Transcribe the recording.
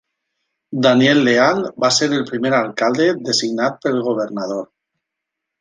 Daniel Leal va ser el primer alcalde, designat pel governador.